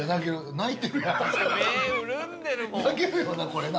泣けるよなこれな。